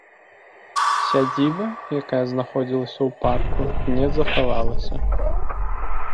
Сядзіба, якая знаходзілася ў парку, не захавалася.